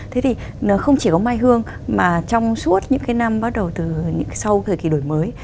thế thì không chỉ có mai hương mà trong suốt những cái năm bắt đầu từ sau thời kỳ đổi mới